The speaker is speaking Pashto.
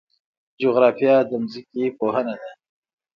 جغرافیه د ځمکې پوهنه ده